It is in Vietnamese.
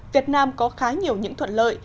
việt nam có khá nhiều những thuận lợi